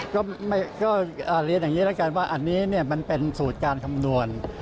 ก็เรียนอย่างนี้แล้วกันว่าอันนี้มันเป็นสูตรการคำนวณ